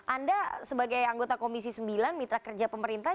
anda sebagai anggota komisi sembilan mitra kerja pemerintah